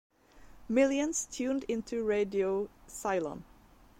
Millions tuned into Radio Ceylon.